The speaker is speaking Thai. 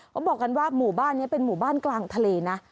เขาบอกกันว่าหมู่บ้านนี้เป็นหมู่บ้านกลางทะเลนะ